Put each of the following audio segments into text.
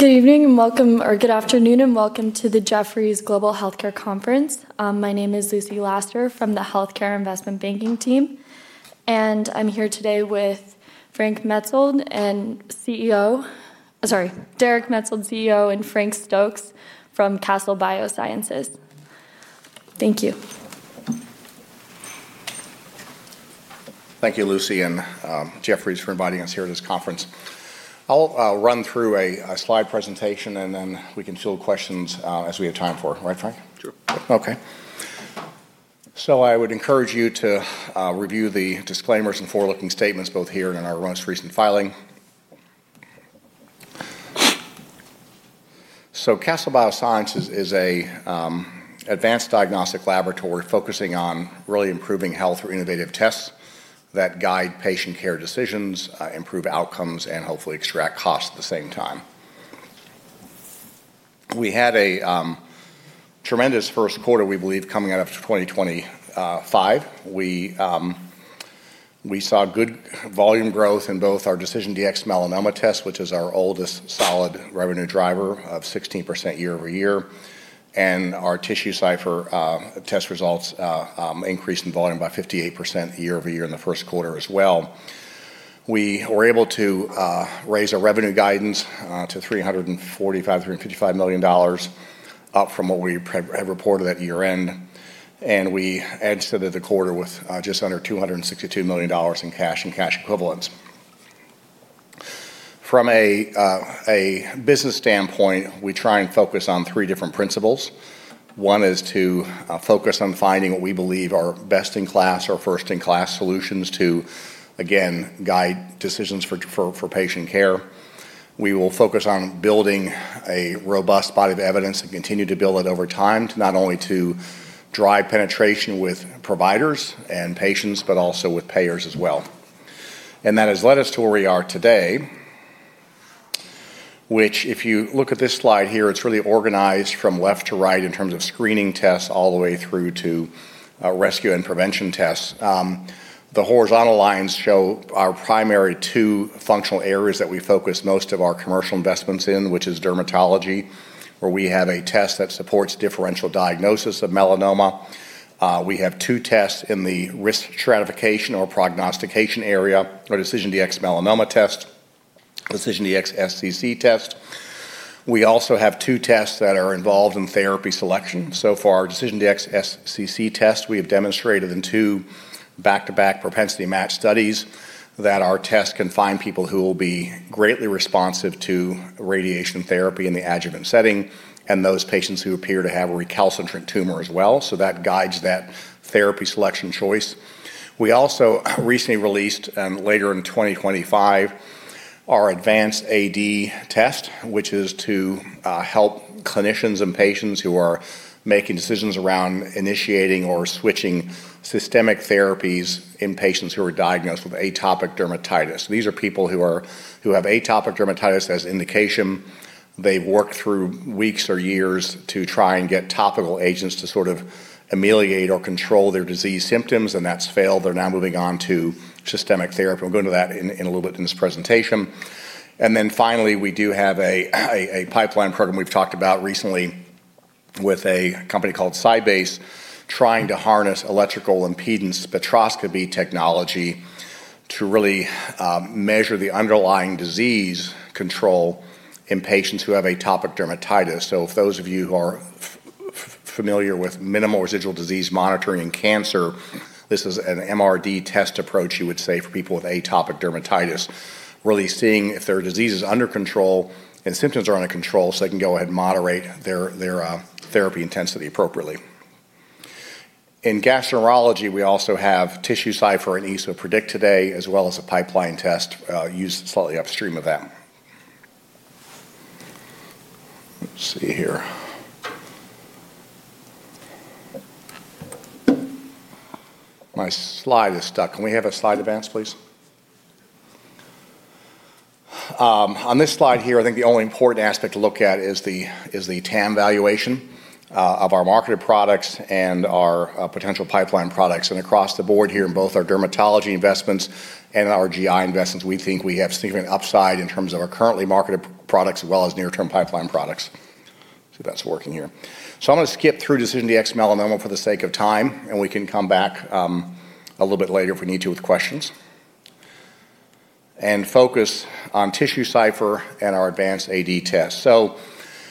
Good evening and welcome, or good afternoon and welcome to the Jefferies Global Healthcare Conference. My name is Lucy Laster from the healthcare investment banking team, and I am here today with Derek Maetzold, CEO, and Frank Stokes from Castle Biosciences. Thank you. Thank you, Lucy and Jefferies for inviting us here to this conference. I'll run through a slide presentation and then we can field questions as we have time for. Right, Frank? Sure. Okay. I would encourage you to review the disclaimers and forward-looking statements both here and in our most recent filing. Castle Biosciences is an advanced diagnostic laboratory focusing on really improving health through innovative tests that guide patient care decisions, improve outcomes, and hopefully extract costs at the same time. We had a tremendous first quarter, we believe, coming out of 2025. We saw good volume growth in both our DecisionDx-Melanoma test, which is our oldest solid revenue driver of 16% year-over-year, and our TissueCypher test results increased in volume by 58% year-over-year in the first quarter as well. We were able to raise our revenue guidance to $345 million-$355 million, up from what we had reported at year-end. We ended the quarter with just under $262 million in cash and cash equivalents. From a business standpoint, we try and focus on three different principles. One is to focus on finding what we believe are best-in-class or first-in-class solutions to, again, guide decisions for patient care. We will focus on building a robust body of evidence and continue to build it over time, not only to drive penetration with providers and patients, but also with payers as well. That has led us to where we are today, which if you look at this slide here, it's really organized from left to right in terms of screening tests all the way through to rescue and prevention tests. The horizontal lines show our primary two functional areas that we focus most of our commercial investments in, which is dermatology, where we have a test that supports differential diagnosis of melanoma. We have two tests in the risk stratification or prognostication area, our DecisionDx-Melanoma test, DecisionDx-SCC test. We also have two tests that are involved in therapy selection. For our DecisionDx-SCC test, we have demonstrated in two back-to-back propensity match studies that our test can find people who will be greatly responsive to radiation therapy in the adjuvant setting, and those patients who appear to have a recalcitrant tumor as well. That guides that therapy selection choice. We also recently released, later in 2025, our AdvanceAD-Tx, which is to help clinicians and patients who are making decisions around initiating or switching systemic therapies in patients who are diagnosed with atopic dermatitis. These are people who have atopic dermatitis as indication. They've worked through weeks or years to try and get topical agents to sort of ameliorate or control their disease symptoms, and that's failed. They're now moving on to systemic therapy. We'll go into that in a little bit in this presentation. Finally, we do have a pipeline program we've talked about recently with a company called SciBase, trying to harness electrical impedance spectroscopy technology to really measure the underlying disease control in patients who have atopic dermatitis. If those of you who are familiar with minimal residual disease monitoring in cancer, this is an MRD test approach, you would say, for people with atopic dermatitis. Really seeing if their disease is under control and symptoms are under control so they can go ahead and moderate their therapy intensity appropriately. In gastroenterology, we also have TissueCypher and Esopredict today, as well as a pipeline test used slightly upstream of that. Let's see here. My slide is stuck. Can we have a slide advance, please? On this slide here, I think the only important aspect to look at is the TAM valuation of our marketed products and our potential pipeline products. Across the board here in both our dermatology investments and our GI investments, we think we have significant upside in terms of our currently marketed products as well as near-term pipeline products. See if that's working here. I'm going to skip through DecisionDx-Melanoma for the sake of time, and we can come back a little bit later if we need to with questions, and focus on TissueCypher and our AdvanceAD-Tx.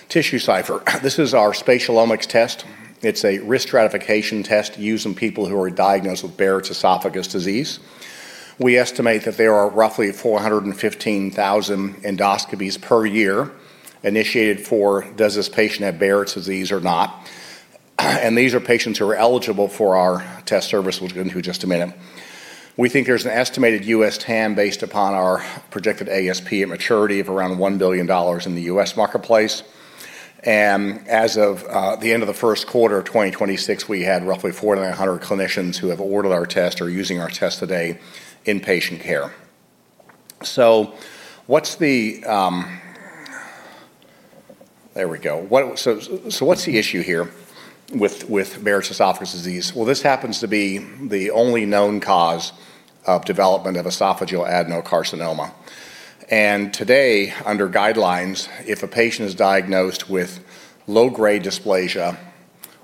TissueCypher, this is our spatial omics test. It's a risk stratification test used in people who are diagnosed with Barrett's esophagus disease. We estimate that there are roughly 415,000 endoscopies per year initiated for, does this patient have Barrett's esophagus or not? These are patients who are eligible for our test service. We'll get into it in just a minute. We think there's an estimated U.S. TAM based upon our projected ASP at maturity of around $1 billion in the U.S. marketplace. As of the end of the first quarter of 2026, we had roughly 400 clinicians who have ordered our test or using our test today in patient care. There we go. What's the issue here with Barrett's esophagus disease? This happens to be the only known cause of development of esophageal adenocarcinoma. Today, under guidelines, if a patient is diagnosed with low-grade dysplasia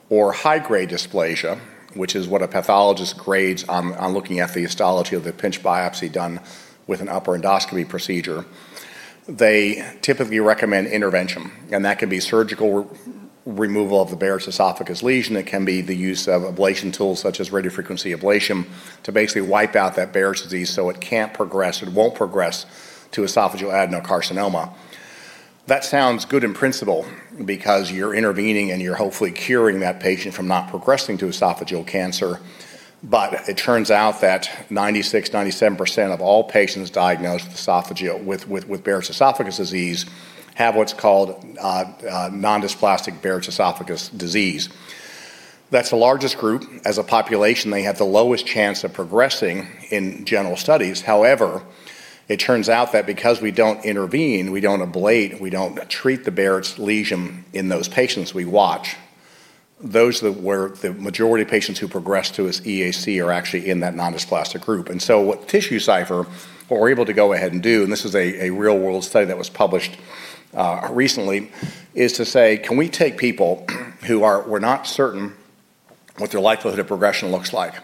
or high-grade dysplasia, which is what a pathologist grades on looking at the histology of the pinch biopsy done with an upper endoscopy procedure, they typically recommend intervention, and that can be surgical removal of the Barrett's esophagus lesion. It can be the use of ablation tools such as radiofrequency ablation to basically wipe out that Barrett's esophagus so it can't progress, it won't progress to esophageal adenocarcinoma. That sounds good in principle because you're intervening and you're hopefully curing that patient from not progressing to esophageal cancer. It turns out that 96%, 97% of all patients diagnosed with Barrett's esophagus have what's called nondysplastic Barrett's esophagus. That's the largest group. As a population, they have the lowest chance of progressing in general studies. It turns out that because we don't intervene, we don't ablate, we don't treat the Barrett's lesion in those patients we watch. Those were the majority of patients who progressed to EAC are actually in that nondysplastic group. What TissueCypher were able to go ahead and do, and this is a real-world study that was published recently, is to say, can we take people who we're not certain what their likelihood of progression looks like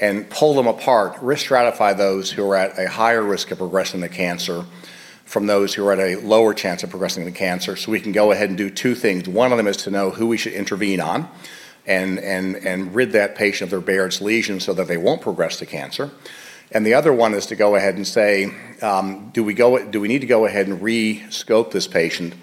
and pull them apart, risk stratify those who are at a higher risk of progressing the cancer from those who are at a lower chance of progressing the cancer, so we can go ahead and do two things. One of them is to know who we should intervene on and rid that patient of their Barrett's lesion so that they won't progress to cancer, and the other one is to go ahead and say, do we need to go ahead and re-scope this patient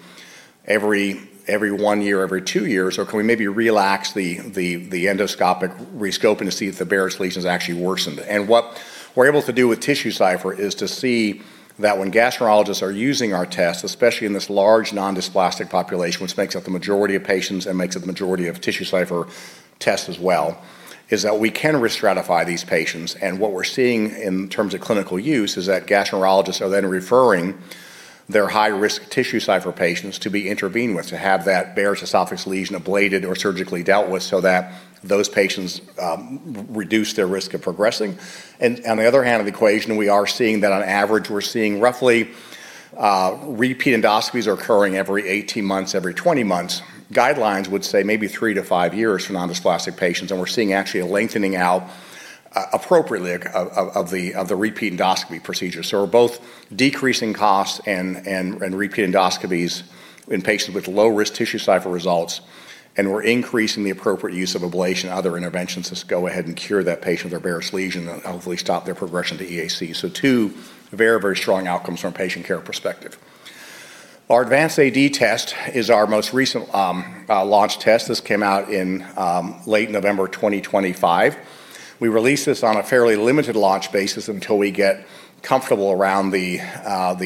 every one year, every two years? Can we maybe relax the endoscopic re-scoping to see if the Barrett's lesion's actually worsened? What we're able to do with TissueCypher is to see that when gastroenterologists are using our test, especially in this large nondysplastic population, which makes up the majority of patients and makes up the majority of TissueCypher tests as well, is that we can re-stratify these patients. What we're seeing in terms of clinical use is that gastroenterologists are then referring their high-risk TissueCypher patients to be intervened with to have that Barrett's esophagus lesion ablated or surgically dealt with so that those patients reduce their risk of progressing. On the other hand of the equation, we are seeing that on average, we're seeing roughly repeat endoscopies are occurring every 18 months, every 20 months. Guidelines would say maybe three to five years for nondysplastic patients, and we're seeing actually a lengthening out appropriately of the repeat endoscopy procedure. We're both decreasing costs and repeat endoscopies in patients with low-risk TissueCypher results, and we're increasing the appropriate use of ablation and other interventions to go ahead and cure that patient of their Barrett's lesion and hopefully stop their progression to EAC. Two very, very strong outcomes from a patient care perspective. Our Advance AD test is our most recent launch test. This came out in late November 2025. We released this on a fairly limited launch basis until we get comfortable around the ASP,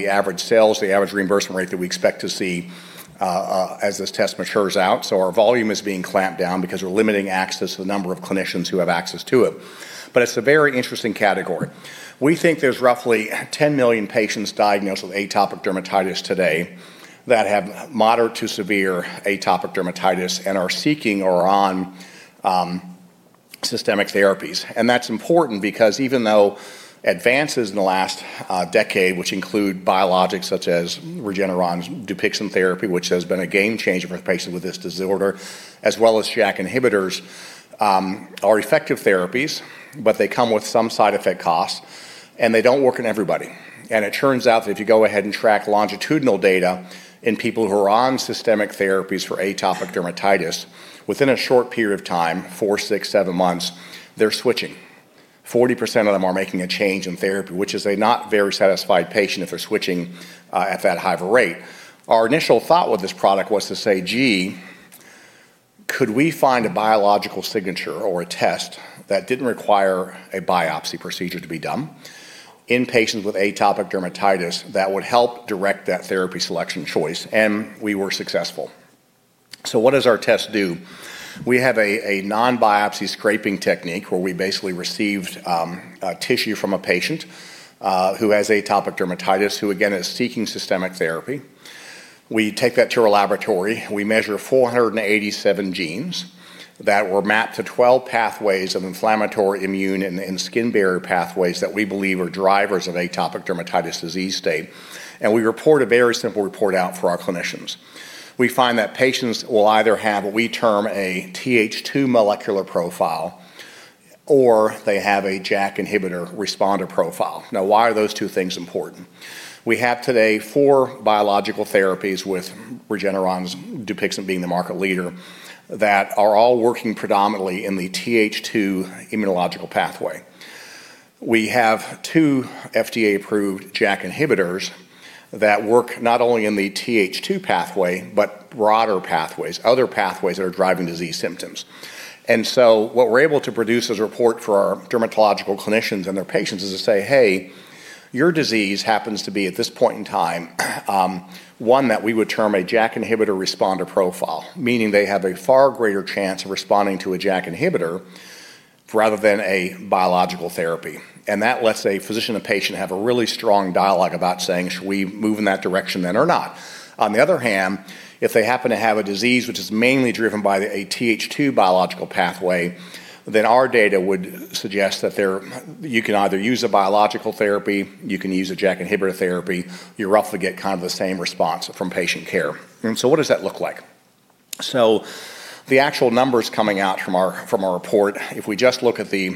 the average reimbursement rate that we expect to see as this test matures out. Our volume is being clamped down because we're limiting access to the number of clinicians who have access to it. It's a very interesting category. We think there's roughly 10 million patients diagnosed with atopic dermatitis today that have moderate to severe atopic dermatitis and are seeking or are on systemic therapies. That's important because even though advances in the last decade, which include biologics such as Regeneron's Dupixent therapy, which has been a game changer for patients with this disorder, as well as JAK inhibitors, are effective therapies, but they come with some side effect costs, and they don't work in everybody. It turns out that if you go ahead and track longitudinal data in people who are on systemic therapies for atopic dermatitis, within a short period of time, four, six, seven months, they're switching. 40% of them are making a change in therapy, which is a not very satisfied patient if they're switching at that high of a rate. Our initial thought with this product was to say, gee, could we find a biological signature or a test that didn't require a biopsy procedure to be done in patients with atopic dermatitis that would help direct that therapy selection choice? We were successful. What does our test do? We have a non-biopsy scraping technique where we basically received tissue from a patient who has atopic dermatitis, who again is seeking systemic therapy. We take that to our laboratory. We measure 487 genes that were mapped to 12 pathways of inflammatory immune and skin barrier pathways that we believe are drivers of atopic dermatitis disease state. We report a very simple report out for our clinicians. We find that patients will either have what we term a Th2 molecular profile, or they have a JAK inhibitor responder profile. Why are those two things important? We have today four biological therapies with Regeneron's Dupixent being the market leader that are all working predominantly in the Th2 immunological pathway. We have two FDA-approved JAK inhibitors that work not only in the Th2 pathway but broader pathways, other pathways that are driving disease symptoms. What we're able to produce as a report for our dermatological clinicians and their patients is to say, "Hey, your disease happens to be, at this point in time, one that we would term a JAK inhibitor responder profile," meaning they have a far greater chance of responding to a JAK inhibitor rather than a biological therapy. That lets a physician and patient have a really strong dialogue about saying, "Should we move in that direction then or not?" On the other hand, if they happen to have a disease which is mainly driven by a Th2 biological pathway, then our data would suggest that you can either use a biological therapy, you can use a JAK inhibitor therapy, you roughly get the same response from patient care. What does that look like? The actual numbers coming out from our report, if we just look at the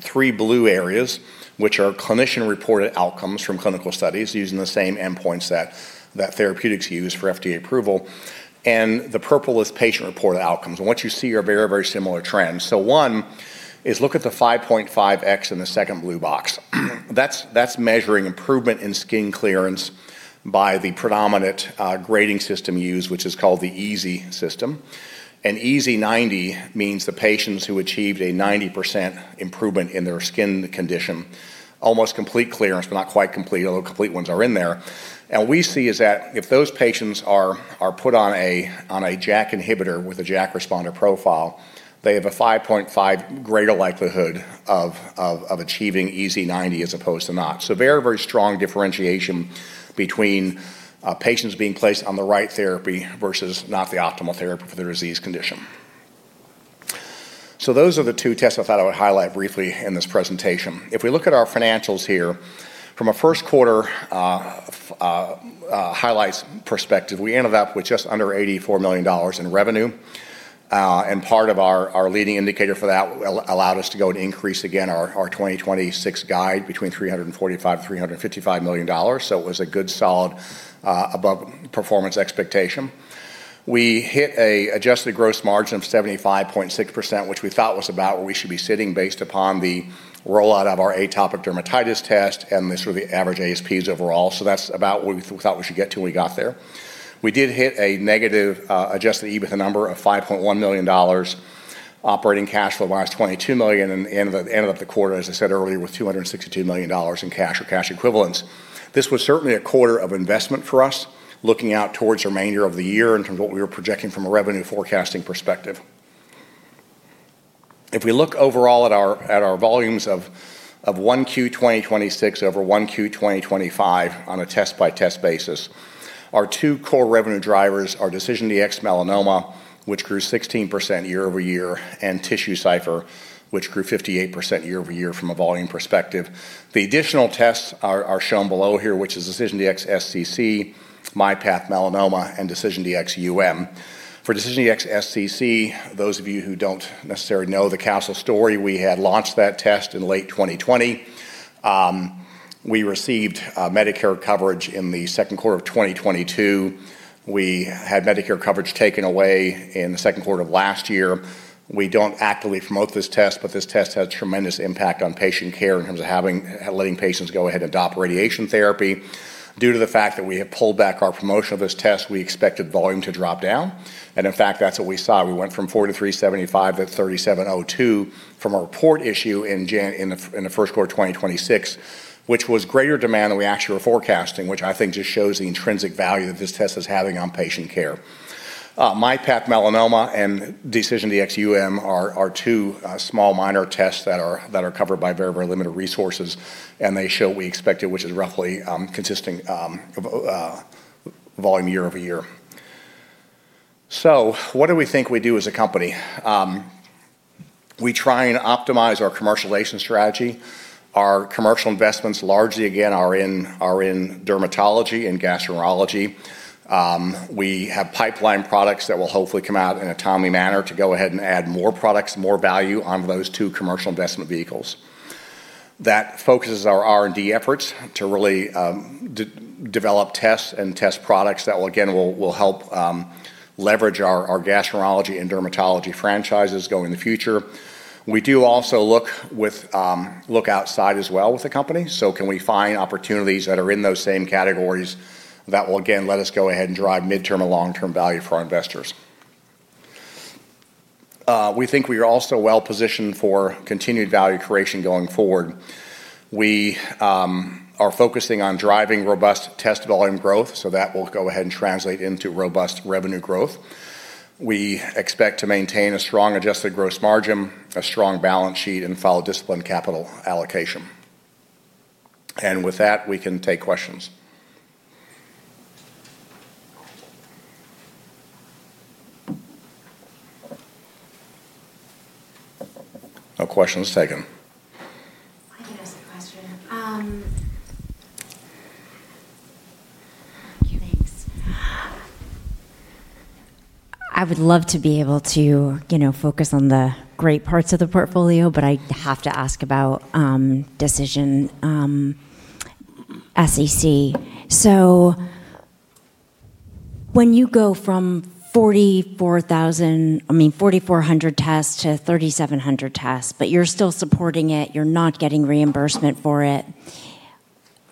three blue areas, which are clinician-reported outcomes from clinical studies using the same endpoints that therapeutics use for FDA approval, and the purple is patient-reported outcomes. What you see are very similar trends. One is look at the 5.5x in the second blue box. That's measuring improvement in skin clearance by the predominant grading system used, which is called the EASI system. An EASI-90 means the patients who achieved a 90% improvement in their skin condition, almost complete clearance, but not quite complete, although complete ones are in there. We see is that if those patients are put on a JAK inhibitor with a JAK responder profile, they have a 5.5 greater likelihood of achieving EASI-90 as opposed to not. Very strong differentiation between patients being placed on the right therapy versus not the optimal therapy for their disease condition. Those are the two tests I thought I would highlight briefly in this presentation. If we look at our financials here, from a first quarter highlights perspective, we ended up with just under $84 million in revenue. Part of our leading indicator for that allowed us to go and increase again our 2026 guide $345 million-$355 million. It was a good solid above performance expectation. We hit a adjusted gross margin of 75.6%, which we thought was about where we should be sitting based upon the rollout of our atopic dermatitis test and the average ASPs overall. That's about what we thought we should get to, and we got there. We did hit a negative adjusted EBITDA number of $5.1 million. Operating cash flow was $22 million and ended up the quarter, as I said earlier, with $262 million in cash or cash equivalents. This was certainly a quarter of investment for us, looking out towards the remainder of the year in terms of what we were projecting from a revenue forecasting perspective. If we look overall at our volumes of 1Q 2026 over 1Q 2025 on a test-by-test basis, our two core revenue drivers are DecisionDx-Melanoma, which grew 16% year-over-year, and TissueCypher, which grew 58% year-over-year from a volume perspective. The additional tests are shown below here, which is DecisionDx-SCC, MyPath Melanoma, and DecisionDx-UM. For DecisionDx-SCC, those of you who don't necessarily know the Castle story, we had launched that test in late 2020. We received Medicare coverage in the second quarter of 2022. We had Medicare coverage taken away in the second quarter of last year. We don't actively promote this test, but this test had a tremendous impact on patient care in terms of letting patients go ahead and adopt radiation therapy. Due to the fact that we had pulled back our promotion of this test, we expected volume to drop down. In fact, that's what we saw. We went from 4,375-3,702 from a report issue in the first quarter of 2026, which was greater demand than we actually were forecasting, which I think just shows the intrinsic value that this test is having on patient care. MyPath Melanoma and DecisionDx-UM are two small minor tests that are covered by very limited resources, and they show we expect it, which is roughly consisting of volume year-over-year. What do we think we do as a company? We try and optimize our commercialization strategy. Our commercial investments largely, again, are in dermatology and gastroenterology. We have pipeline products that will hopefully come out in a timely manner to go ahead and add more products, more value on those two commercial investment vehicles. That focuses our R&D efforts to really develop tests and test products that, again, will help leverage our gastroenterology and dermatology franchises going in the future. We do also look outside as well with the company. Can we find opportunities that are in those same categories that will, again, let us go ahead and drive mid-term and long-term value for our investors. We think we are also well-positioned for continued value creation going forward. We are focusing on driving robust test volume growth, so that will go ahead and translate into robust revenue growth. We expect to maintain a strong adjusted gross margin, a strong balance sheet, and follow disciplined capital allocation. With that, we can take questions. No questions taken. I can ask the question. Thanks. I would love to be able to focus on the great parts of the portfolio, but I have to ask about Decision SCC. When you go from 4,400 tests to 3,700 tests, but you're still supporting it, you're not getting reimbursement for it,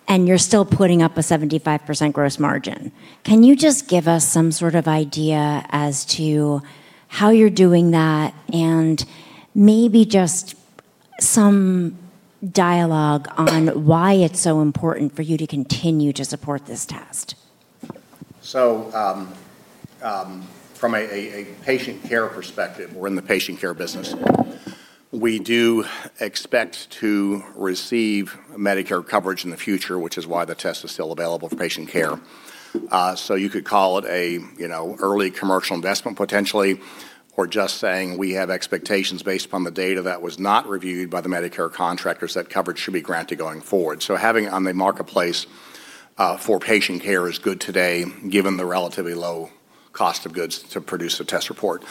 and you're still putting up a 75% gross margin. Can you just give us some sort of idea as to how you're doing that and maybe just some dialogue on why it's so important for you to continue to support this test? From a patient care perspective, we're in the patient care business. We do expect to receive Medicare coverage in the future, which is why the test is still available for patient care. You could call it an early commercial investment potentially, or just saying we have expectations based upon the data that was not reviewed by the Medicare contractors, that coverage should be granted going forward. Having it on the marketplace for patient care is good today, given the relatively low cost of goods to produce a test report.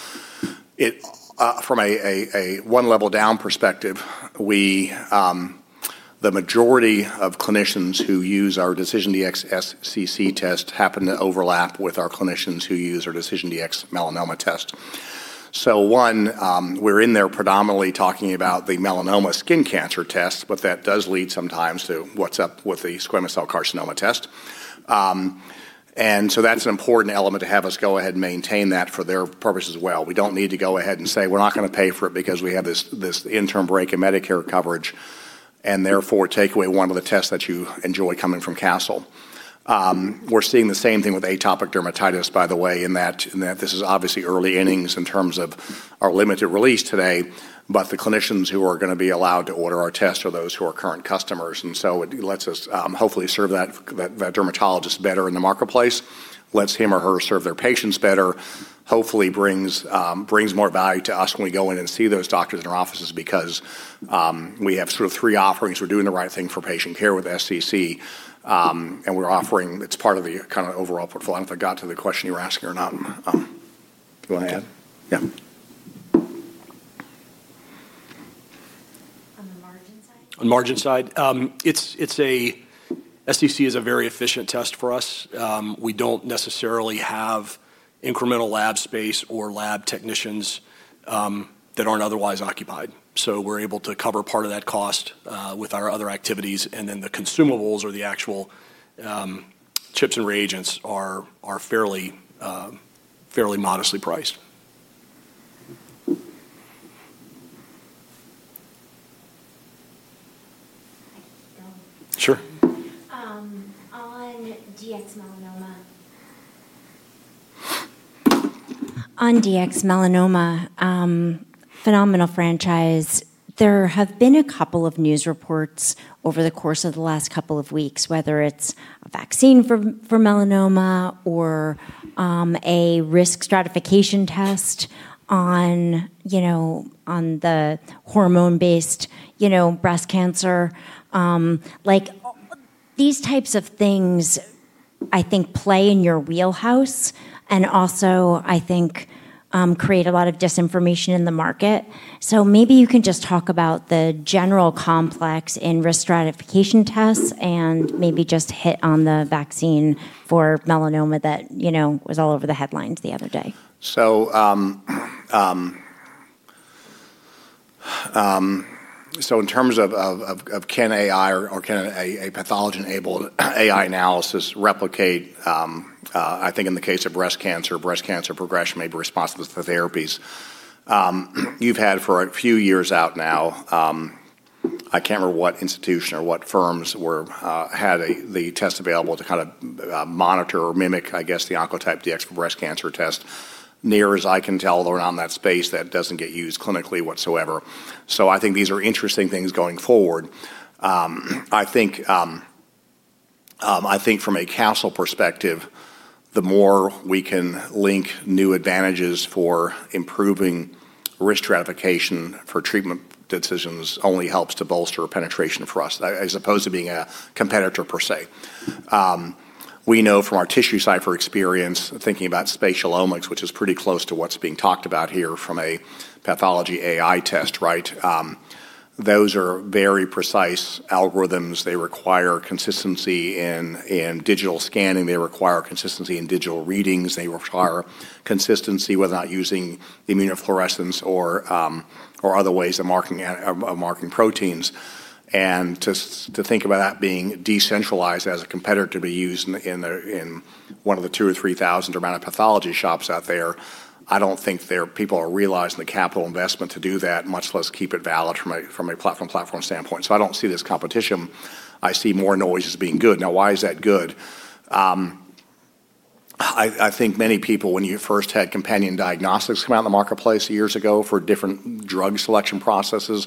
From a one-level-down perspective, the majority of clinicians who use our DecisionDx-SCC test happen to overlap with our clinicians who use our DecisionDx-Melanoma test. One, we're in there predominantly talking about the melanoma skin cancer test, but that does lead sometimes to what's up with the squamous cell carcinoma test. That's an important element to have us go ahead and maintain that for their purpose as well. We don't need to go ahead and say, "We're not going to pay for it because we have this interim break in Medicare coverage," and therefore take away one of the tests that you enjoy coming from Castle. We're seeing the same thing with atopic dermatitis, by the way, in that this is obviously early innings in terms of our limited release today, but the clinicians who are going to be allowed to order our tests are those who are current customers. It lets us hopefully serve that dermatologist better in the marketplace, lets him or her serve their patients better, hopefully brings more value to us when we go in and see those doctors in our offices because we have sort of three offerings. We're doing the right thing for patient care with SCC, and we're offering it's part of the kind of overall portfolio. I don't know if I got to the question you were asking or not. Go ahead. Yeah. On the margin side? On margin side, SCC is a very efficient test for us. We don't necessarily have incremental lab space or lab technicians that aren't otherwise occupied. We're able to cover part of that cost with our other activities, and then the consumables or the actual chips and reagents are fairly modestly priced. I can go. Sure. On DX Melanoma. On DX Melanoma, phenomenal franchise. There have been a couple of news reports over the course of the last couple of weeks, whether it's a vaccine for melanoma or a risk stratification test on the hormone-based breast cancer. These types of things I think play in your wheelhouse and also I think create a lot of disinformation in the market. Maybe you can just talk about the general complex in risk stratification tests and maybe just hit on the vaccine for melanoma that was all over the headlines the other day. In terms of can AI or can a pathology-enabled AI analysis replicate, I think in the case of breast cancer progression, maybe responses to therapies. You've had for a few years out now, I can't remember what institution or what firms had the test available to kind of monitor or mimic, I guess, the Oncotype DX breast cancer test. Near as I can tell, around that space, that doesn't get used clinically whatsoever. I think these are interesting things going forward. I think from a Castle perspective, the more we can link new advantages for improving risk stratification for treatment decisions only helps to bolster penetration for us, as opposed to being a competitor per se. We know from our TissueCypher experience, thinking about spatial omics, which is pretty close to what's being talked about here from a pathology AI test, right? Those are very precise algorithms. They require consistency in digital scanning. They require consistency in digital readings. They require consistency without using immunofluorescence or other ways of marking proteins. To think about that being decentralized as a competitor to be used in one of the 2,000 or 3,000 amount of pathology shops out there, I don't think people are realizing the capital investment to do that, much less keep it valid from a platform standpoint. I don't see this competition. I see more noise as being good. Why is that good? I think many people, when you first had companion diagnostics come out in the marketplace years ago for different drug selection processes,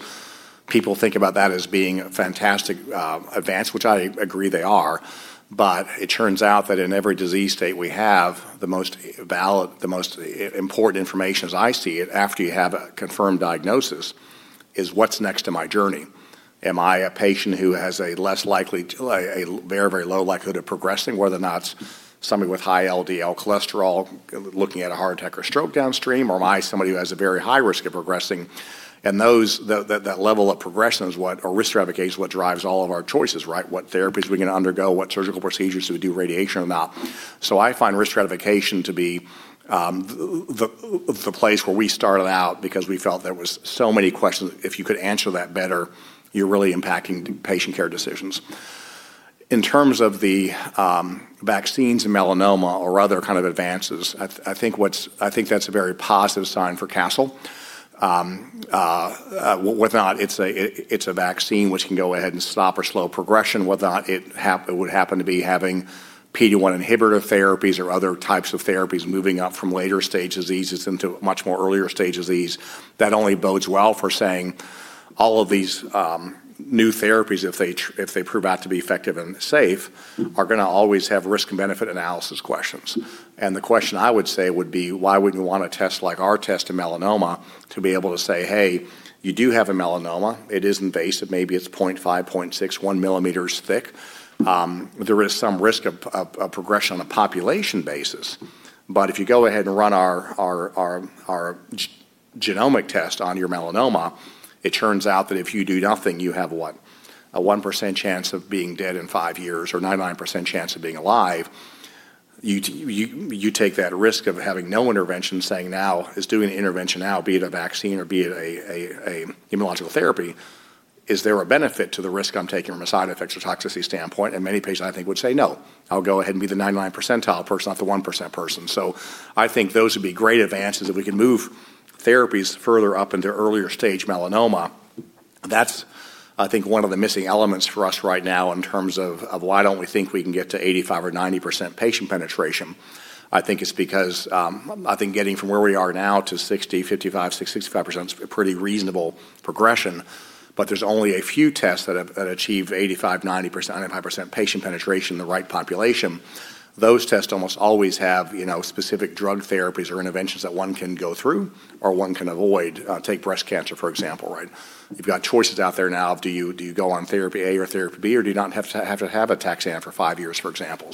people think about that as being fantastic advance, which I agree they are. It turns out that in every disease state we have, the most valid, the most important information as I see it, after you have a confirmed diagnosis, is what's next in my journey. Am I a patient who has a very low likelihood of progressing, whether or not it's somebody with high LDL cholesterol looking at a heart attack or stroke downstream, or am I somebody who has a very high risk of progressing? That level of progression or risk stratification is what drives all of our choices, right? What therapies we can undergo, what surgical procedures should we do radiation amount. I find risk stratification to be the place where we started out because we felt there was so many questions. If you could answer that better, you're really impacting patient care decisions. In terms of the vaccines in melanoma or other kind of advances, I think that's a very positive sign for Castle. Whether or not it's a vaccine which can go ahead and stop or slow progression, whether or not it would happen to be having PD-1 inhibitor therapies or other types of therapies moving up from later stage diseases into a much more earlier stage disease. That only bodes well for saying all of these new therapies, if they prove out to be effective and safe, are going to always have risk and benefit analysis questions. The question I would say would be: Why wouldn't we want a test like our test in melanoma to be able to say, "Hey, you do have a melanoma. It is invasive. Maybe it's 0.5 mm, 0.6 mm, 1 mm thick. There is some risk of progression on a population basis. If you go ahead and run our genomic test on your melanoma, it turns out that if you do nothing, you have a 1% chance of being dead in five years or 99% chance of being alive. You take that risk of having no intervention," saying, "Is doing the intervention now, be it a vaccine or be it an immunological therapy, is there a benefit to the risk I'm taking from a side effects or toxicity standpoint?" Many patients, I think, would say, "No. I'll go ahead and be the 99 percentile person, not the 1% person." I think those would be great advances if we can move therapies further up into earlier stage melanoma. That's, I think, one of the missing elements for us right now in terms of why don't we think we can get to 85% or 90% patient penetration. I think it's because getting from where we are now to 60%, 55%, 60%, 65% is a pretty reasonable progression. There's only a few tests that achieve 85%, 90%, 95% patient penetration in the right population. Those tests almost always have specific drug therapies or interventions that one can go through or one can avoid. Take breast cancer, for example. You've got choices out there now of do you go on therapy A or therapy B, or do you not have to have a taxane for five years, for example.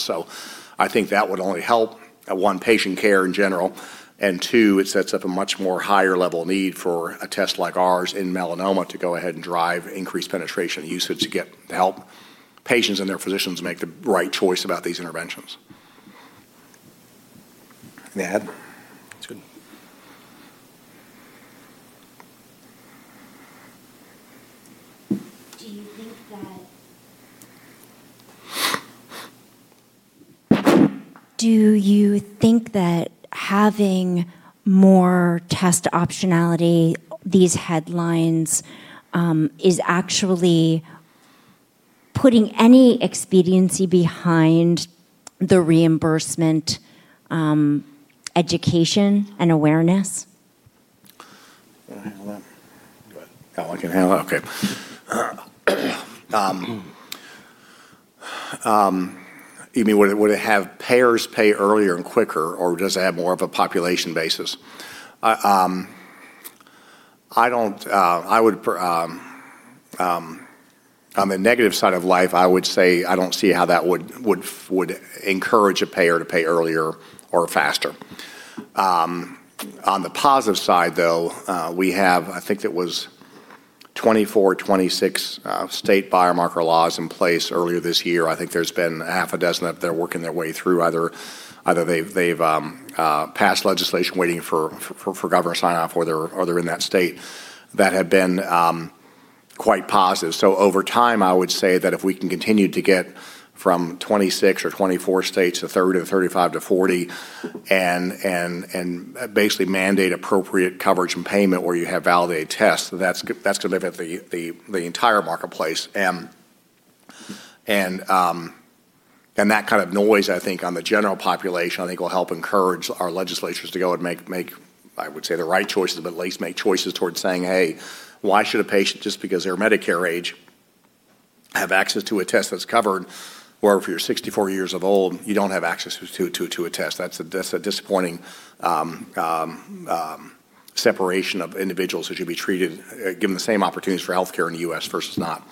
I think that would only help, one, patient care in general, and two, it sets up a much more higher level need for a test like ours in melanoma to go ahead and drive increased penetration usage to help patients and their physicians make the right choice about these interventions. May I add? That's good. Do you think that having more test optionality, these headlines, is actually putting any expediency behind the reimbursement, education, and awareness? You want to handle that? Go ahead. I can handle it? Okay. You mean would it have payers pay earlier and quicker, or does it add more of a population basis? On the negative side of life, I would say I don't see how that would encourage a payer to pay earlier or faster. On the positive side, though, we have, I think it was 24, 26 state biomarker laws in place earlier this year. I think there's been half a dozen that they're working their way through. Either they've passed legislation waiting for governor sign-off, or they're in that state that have been quite positive. Over time, I would say that if we can continue to get from 26-24 states to 30 to 35 to 40 and basically mandate appropriate coverage and payment where you have validated tests, that's going to benefit the entire marketplace. That kind of noise, I think on the general population, I think will help encourage our legislatures to go and make, I would say the right choices, but at least make choices towards saying, "Hey, why should a patient, just because they're Medicare age, have access to a test that's covered?" Where if you're 64 years of old, you don't have access to a test. That's a disappointing separation of individuals who should be given the same opportunities for healthcare in the U.S. versus not